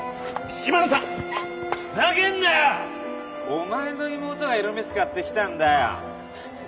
お前の妹が色目使ってきたんだよ